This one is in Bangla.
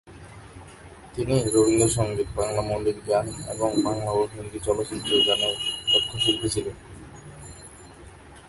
তিনি রবীন্দ্রসঙ্গীত, বাংলা মৌলিক গান এবং বাংলা ও হিন্দি চলচ্চিত্রের গানের দক্ষ শিল্পী ছিলেন।